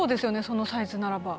そのサイズならば。